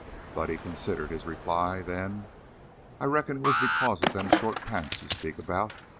Buddy considered his reply, then: "I reckon it was because of them short pants you speak about.